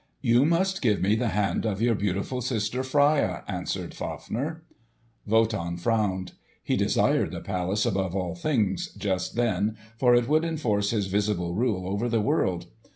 "You must give me the hand of your beautiful sister, Freia," answered Fafner. Wotan frowned. He desired the palace above all things, just then, for it would enforce his visible rule over the world.